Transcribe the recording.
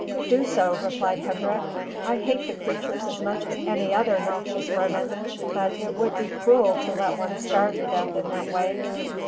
"Do so," replied Hendrik. "I hate the creatures as much as any other noxious vermin, but it would be cruel to let one starve to death in that way.